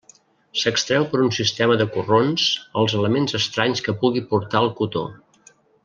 S'extreu per un sistema de corrons els elements estranys que pugui portar el cotó.